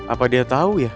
apa dia tau ya